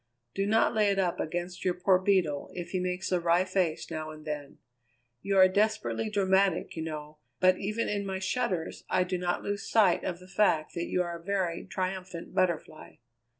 Do not lay it up against your poor Beetle if he makes a wry face now and then. You are desperately dramatic, you know, but even in my shudders I do not lose sight of the fact that you are a very triumphant Butterfly."